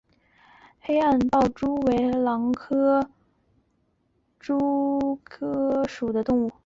黑暗豹蛛为狼蛛科豹蛛属的动物。